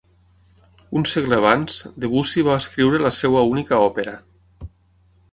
Un segle abans, Debussy va escriure la seva única òpera.